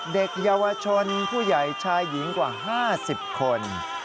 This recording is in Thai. เด็กเยาวชนผู้ใหญ่ชายหญิงกว่า๕๐คน